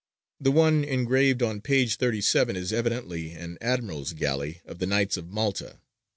The one engraved on p. 37 is evidently an admiral's galley of the Knights of Malta.